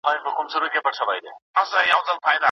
په کابل کي د صنعت لپاره کارګران څنګه ټاکل کېږي؟